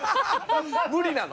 無理なの？